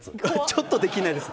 ちょっとできないです。